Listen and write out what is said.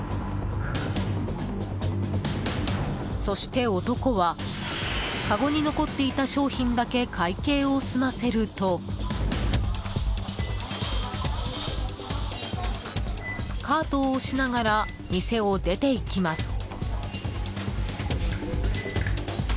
そして、男はかごに残っていた商品だけ会計を済ませるとカートを押しながら店を出て行きます。